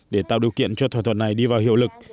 để tạo điều kiện cho thỏa thuận này đi vào hiệu lực